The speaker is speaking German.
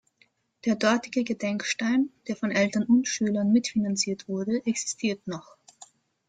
Der dortige Gedenkstein, der von Eltern und Schülern mitfinanziert wurde, existiert noch.